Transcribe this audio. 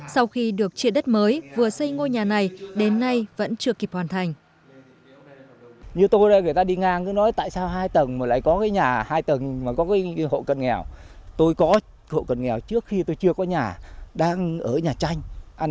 sau khi được chia đất mới vừa xây ngôi nhà này đến nay vẫn chưa kịp hoàn thành